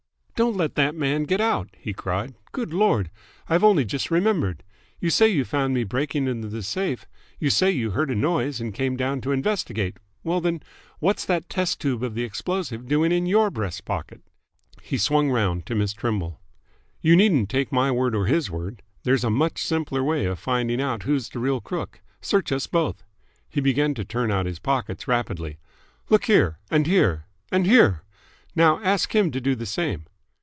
"Don't let that man get out!" he cried. "Good Lord! I've only just remembered. You say you found me breaking into the safe! You say you heard a noise and came down to investigate! Well, then, what's that test tube of the explosive doing in your breast pocket?" He swung round to Miss Trimble. "You needn't take my word or his word. There's a much simpler way of finding out who's the real crook. Search us both." He began to turn out his pockets rapidly. "Look here and here and here! Now ask him to do the same!"